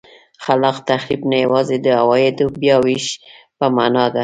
خلاق تخریب نه یوازې د عوایدو بیا وېش په معنا ده.